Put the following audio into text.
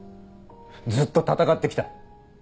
ずっと闘って来た！